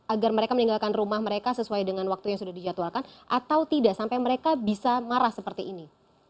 agar mereka meninggalkan rumah mereka sesuai dengan waktu yang sudah dijadwalkan atau tidak sampai mereka bisa marah seperti ini